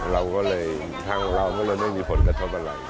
เราก็เลยทางเราก็เลยไม่มีผลกระทบอะไร